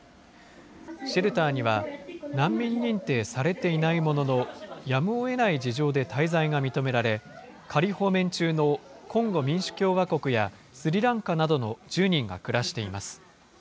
シェルターには、難民認定されていないものの、やむをえない事情で滞在が認められ、仮放免中のコンゴ民主共和国やスリランカなどの１０人が暮らしています。